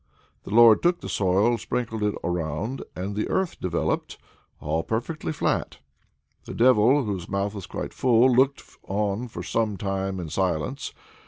The Lord took the soil, sprinkled it around, and the Earth appeared, all perfectly flat. The Devil, whose mouth was quite full, looked on for some time in silence.